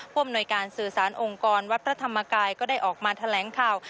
อำนวยการสื่อสารองค์กรวัดพระธรรมกายก็ได้ออกมาแถลงข่าว